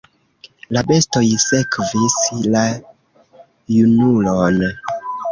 La bestoj sekvis la junulon.